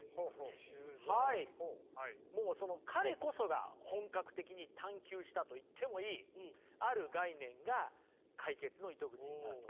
もう彼こそが本格的に探求したと言ってもいいある概念が解決の糸口になると。